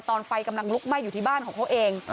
ไฟกำลังลุกไหม้อยู่ที่บ้านของเขาเอง